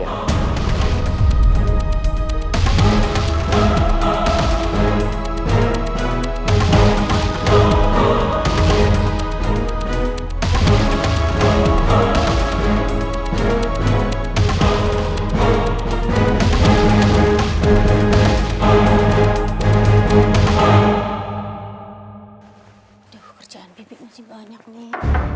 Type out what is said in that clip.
aduh kerjaan bibik masih banyak nih